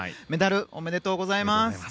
メダルおめでとうございます。